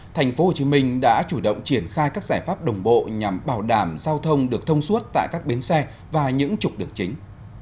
thành phố hồ chí minh đã chủ động triển khai các giải pháp đồng bộ nhằm bảo đảm giao thông được thông suốt tại các bến xe và những trục được chính